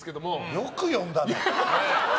よく呼んだね。